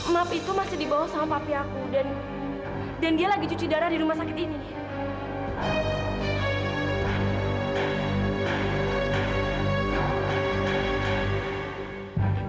maaf itu masih dibawa sama pavi aku dan dia lagi cuci darah di rumah sakit ini